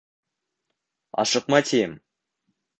Ашыҡма, тием...